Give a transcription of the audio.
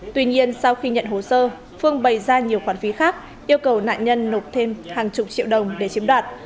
tuy nhiên sau khi nhận hồ sơ phương bày ra nhiều khoản phí khác yêu cầu nạn nhân nộp thêm hàng chục triệu đồng để chiếm đoạt